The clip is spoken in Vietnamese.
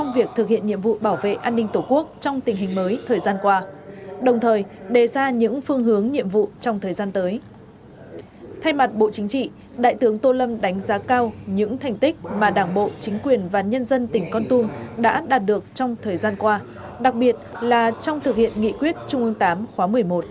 với mặt bộ chính trị đại tướng tô lâm đánh giá cao những thành tích mà đảng bộ chính quyền và nhân dân tỉnh con tum đã đạt được trong thời gian qua đặc biệt là trong thực hiện nghị quyết trung ương tám khóa một mươi một